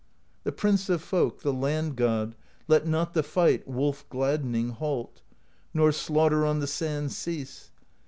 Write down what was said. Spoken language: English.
The Prince of Folk, the Land God, Let not the fight, wolf gladdening. Halt, nor slaughter on the sands cease.